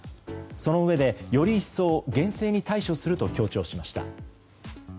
そのうえでより一層厳正に対処すると強調しました。